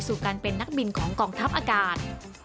สู่การเป็นนักบินของกองทัพอากาศ